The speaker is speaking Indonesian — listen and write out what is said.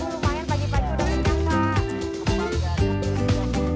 lupa yang pagi pagi udah kenyang pak